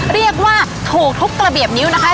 เรียกว่าถูกทุกระเบียบนิ้วนะคะ